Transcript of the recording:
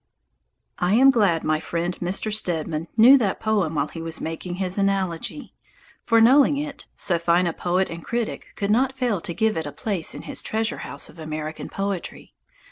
I am glad my friend Mr. Stedman knew that poem while he was making his Anthology, for knowing it, so fine a poet and critic could not fail to give it a place in his treasure house of American poetry.